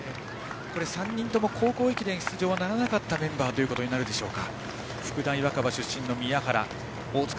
３人とも高校駅伝出場はならなかったメンバーとなるでしょうか。